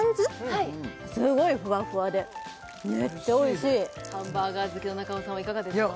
はいすごいフワフワでめっちゃおいしいハンバーガー好きの中尾さんはいかがですか？